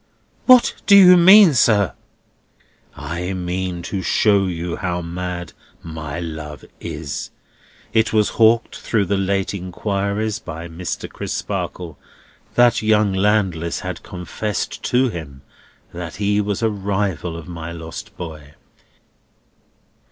"What do you mean, sir?" "I mean to show you how mad my love is. It was hawked through the late inquiries by Mr. Crisparkle, that young Landless had confessed to him that he was a rival of my lost boy.